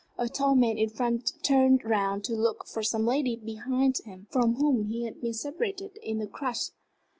A tall man in front turned round to look for some ladies behind him from whom he had been separated in the crush.